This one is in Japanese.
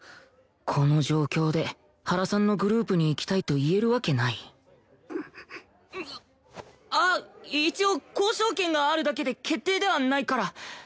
この状況で「原さんのグループに行きたい」と言えるわけないあっ一応交渉権があるだけで決定ではないから。